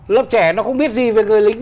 lớp trẻ nó không biết gì về người lính